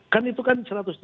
kan itu kan